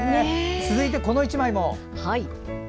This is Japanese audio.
続いて、この１枚も。